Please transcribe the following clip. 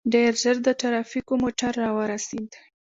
ډېر ژر د ټرافيکو موټر راورسېد.